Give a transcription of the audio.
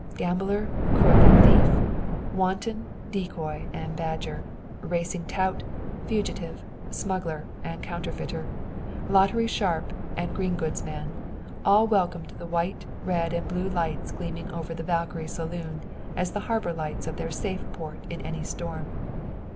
Gambler, crook and thief; wanton, decoy and badger; racing tout, fugitive, smuggler, and counterfeiter; lottery sharp and green goods man, all welcomed the white, red and blue lights gleaming over the "Valkyrie" saloon as the harbor lights of their safe port in any storm.